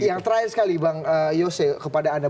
yang terakhir sekali bang yose kepada anda